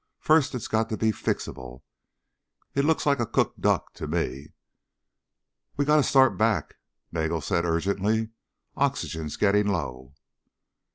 "First it's got to be fixable. It looks like a cooked duck, to me." "We gotta start back," Nagel said urgently, "oxygen's getting low."